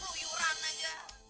hobinya kruyuran aja